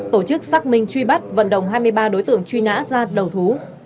tổ chức xác minh truy bắt vận động hai mươi ba đối tượng truy nã ra đầu thú